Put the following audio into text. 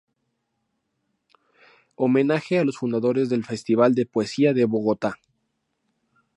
Homenaje a los fundadores del Festival de Poesía de Bogotá.